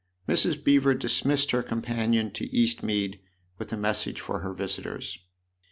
Mrs. Beever dismissed her companion to Eastmead with a message for her visitors.